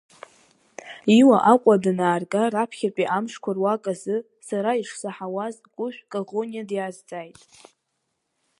Иуа Аҟәа данаарга раԥхьатәи амшқәа руак азы, сара ишсаҳауаз Кәышә Коӷониа диазҵааит…